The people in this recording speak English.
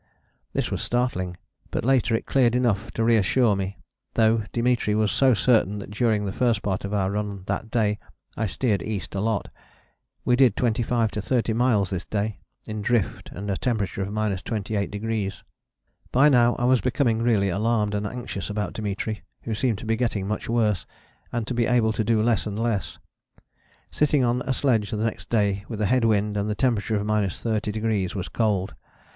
This was startling, but later it cleared enough to reassure me, though Dimitri was so certain that during the first part of our run that day I steered east a lot. We did 25 to 30 miles this day in drift and a temperature of 28°. By now I was becoming really alarmed and anxious about Dimitri, who seemed to be getting much worse, and to be able to do less and less. Sitting on a sledge the next day with a head wind and the temperature 30° was cold.